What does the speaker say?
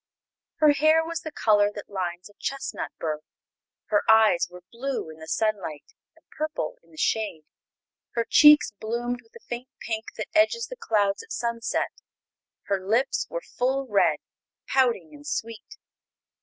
Her hair was the color that lines a chestnut bur; her eyes were blue in the sunlight and purple in the shade; her cheeks bloomed with the faint pink that edges the clouds at sunset; her lips were full red, pouting and sweet.